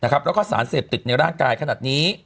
แล้วก็สารเสพติดในร่างกายขนาดนี้